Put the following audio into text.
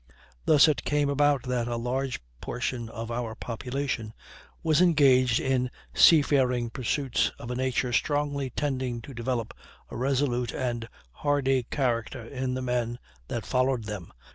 Thus it came about that a large portion of our population was engaged in seafaring pursuits of a nature strongly tending to develop a resolute and hardy character in the men that followed them.